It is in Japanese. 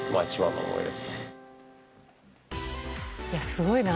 すごいな。